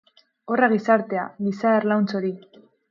Horra gizartea, giza erlauntz hori.